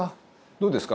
どうですか？